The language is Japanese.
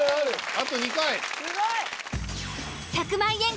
あと２回。